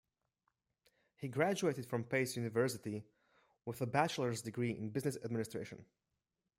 He graduated from Pace University with a bachelor's degree in business administration.